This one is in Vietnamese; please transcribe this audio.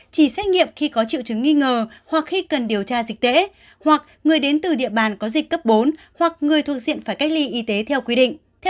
chỉ xét nghiệm khi có triệu chứng nghi ngờ hoặc khi cần điều tra dịch tễ hoặc người đến từ địa bàn có dịch cấp bốn hoặc người thuộc diện phải cách ly y tế theo quy định